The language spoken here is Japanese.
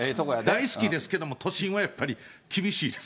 大好きですけども、都心はやっぱり厳しいです。